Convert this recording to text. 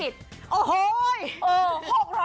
โอ้โฮย